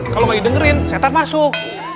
kalo ga dengerin setan masuk